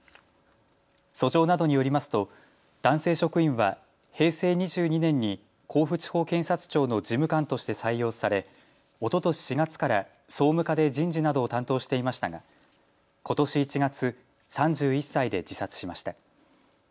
訴状などによりますと男性職員は平成２２年に甲府地方検察庁の事務官として採用されおととし４月から総務課で人事などを担当していましたがことし１月、３１歳で自殺しました。